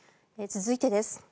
続いてです。